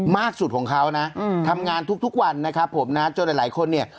มากสุดของเขานะทำงานทุกวันนะครับผมนะจนหลายคนเนี่ย